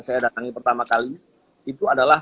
saya datangi pertama kali itu adalah